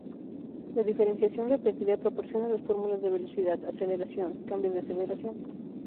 La diferenciación repetida proporciona las fórmulas de velocidad, aceleración, cambio de aceleración...